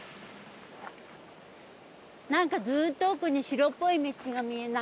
なんかずっと奥に白っぽい道が見えない？